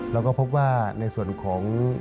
เราก็พบว่าในส่วนของ